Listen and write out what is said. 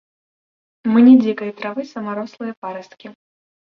Мы не дзікай травы самарослыя парасткі.